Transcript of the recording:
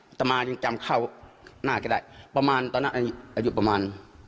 ตมายังจำเข้าหน้าก็ได้ประมาณตอนนั้นอายุประมาณ